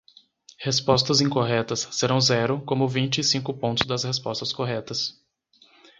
Respostas incorretas serão zero como vinte e cinco pontos das respostas corretas.